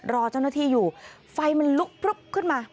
รอเจ้าหน้าที่อยู่ไฟมันลุกพลึบขึ้นมา